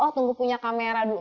oh tunggu punya kamera dulu